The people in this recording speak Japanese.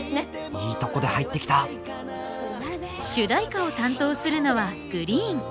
いいとこで入ってきた主題歌を担当するのはＧＲｅｅｅｅＮ。